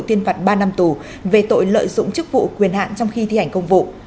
tuyên phạt ba năm tù về tội lợi dụng chức vụ quyền hạn trong khi thi hành công vụ